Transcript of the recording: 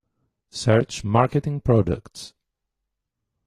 Search Marketing products.